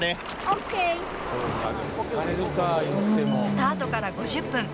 スタートから５０分。